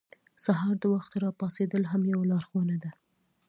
سهار د وخته راپاڅېدل هم یوه لارښوونه ده.